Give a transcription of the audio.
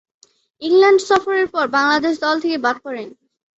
England সফরের পর বাংলাদেশ দল থেকে বাদ পড়েন।